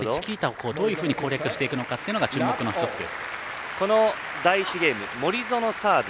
チキータをどういうふうに攻略していくかが注目の１つです。